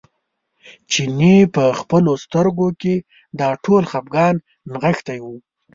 چیني په خپلو سترګو کې دا ټول خپګان نغښتی و.